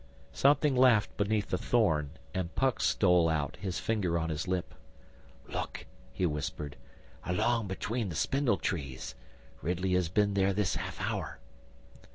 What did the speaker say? Something laughed beneath a thorn, and Puck stole out, his finger on his lip. 'Look!' he whispered. 'Along between the spindle trees. Ridley has been there this half hour.